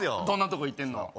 どんなとこ行ってんの？